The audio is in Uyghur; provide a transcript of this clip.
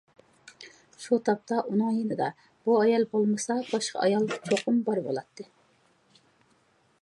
شۇ تاپتا ئۇنىڭ يېنىدا بۇ ئايال بولمىسا باشقا ئايال چوقۇم بار بولاتتى.